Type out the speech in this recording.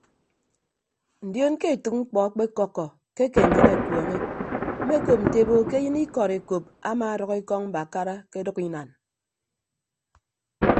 Ndion ke etәk mkpọ akpekọkkọ ke ake nnyịn akueñe mmekop nte ebo ke eyịn ikọd ekop amaadʌk ekọñ mbakara ke ọdʌk inan.